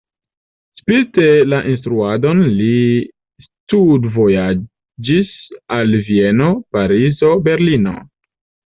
Spite la instruadon li studvojaĝis al Vieno, Parizo, Berlino.